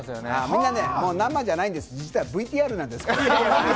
みんな、生じゃないんです実はＶＴＲなんです。